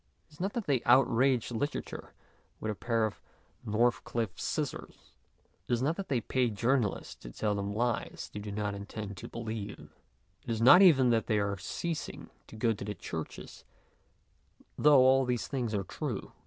It is not that they outrage literature with a pair of North cliffe scissors ; it is not that they pay jour nalists to tell them lies they do not intend to believe ; it is not even that they are ceasing to go to the churches, though all these things are true.